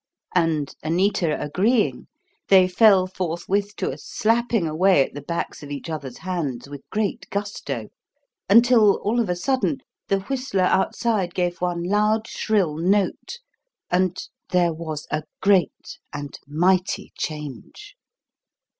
And, Anita agreeing, they fell forthwith to slapping away at the backs of each other's hands with great gusto, until, all of a sudden, the whistler outside gave one loud, shrill note, and there was a great and mighty change.